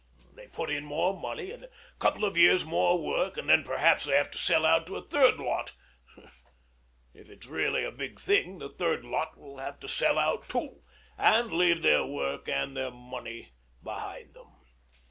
They put in more money and a couple of years' more work; and then perhaps they have to sell out to a third lot. If it's really a big thing the third lot will have to sell out too, and leave their work and their money behind them.